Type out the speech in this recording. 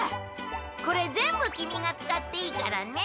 これ全部キミが使っていいからね。